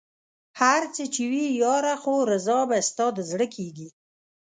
هر څه چې وي ياره خو رضا به ستا د زړه کېږي